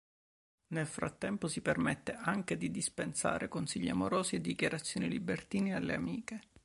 Nel frattempo si permette anche di dispensare consigli amorosi e dichiarazioni libertine alle amiche.